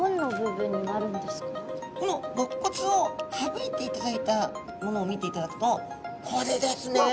このろっ骨を省いていただいたものを見ていただくとこれですね。